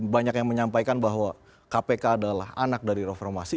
banyak yang menyampaikan bahwa kpk adalah anak dari reformasi